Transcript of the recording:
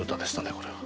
これは。